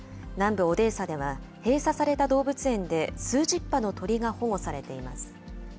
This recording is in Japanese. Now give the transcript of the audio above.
南部オデーサでは、閉鎖された動物園で数十羽の鳥が保護されています。